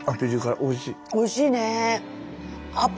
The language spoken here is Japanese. おいしいね。